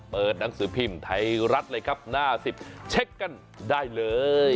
หนังสือพิมพ์ไทยรัฐเลยครับหน้า๑๐เช็คกันได้เลย